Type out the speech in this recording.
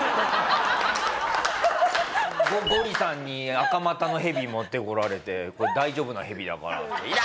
ゴリさんにアカマタのヘビ持ってこられて「これ大丈夫なヘビだから」「痛っ！」。